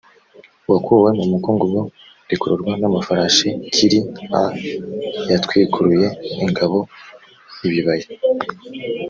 wakuwe mu mukungugu rikururwa n amafarashi kiria yatwikuruye ingabo ibibaya